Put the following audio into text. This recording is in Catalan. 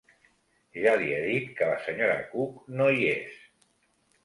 Ja li he dit que la senyora Cook no hi és.